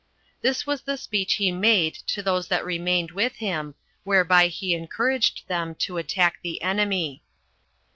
This was the speech he made to those that remained with him, whereby he encouraged them to attack the enemy.